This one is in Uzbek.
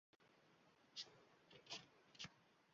– Xaqiqatdan ham bular chin ma’nodagi ustoz-shogirdlar edilar.